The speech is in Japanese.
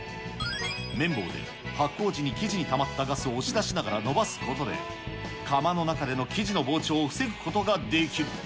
麺棒で発酵時に生地にたまったガスを伸ばしながら押し出すことで、窯の中での生地の膨張を防ぐことができる。